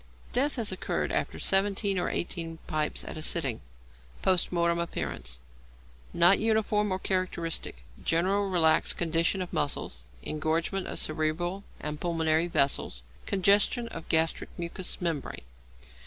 Death has occurred after seventeen or eighteen pipes at a sitting. Post Mortem Appearances. Not uniform or characteristic. General relaxed condition of muscles; engorgement of cerebral and pulmonary vessels. Congestion of gastric mucous membrane.